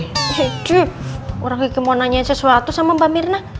hejip orang gigi mau nanya sesuatu sama mbak mirna